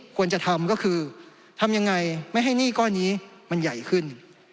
ควรจะทำก็คือทำยังไงไม่ให้หนี้ก้อนนี้มันใหญ่ขึ้น